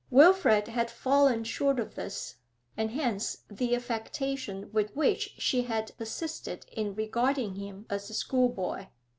Wilfrid had fallen short of this, and hence the affectation with which she had persisted in regarding him as a schoolboy.